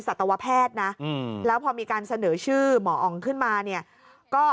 สัตวแพทย์นะแล้วพอมีการเสนอชื่อหมออ๋องขึ้นมาเนี่ยก็